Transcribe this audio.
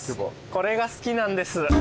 これが好きなんです。